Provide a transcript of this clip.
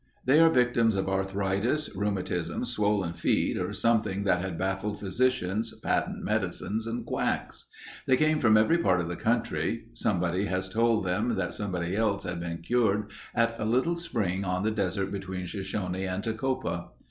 They are victims of arthritis, rheumatism, swollen feet, or something that had baffled physicians, patent medicines, and quacks. They come from every part of the country. Somebody has told them that somebody else had been cured at a little spring on the desert between Shoshone and Tecopa.